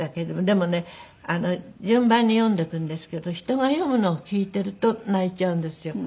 でもね順番に読んでいくんですけど人が読むのを聞いてると泣いちゃうんですよ。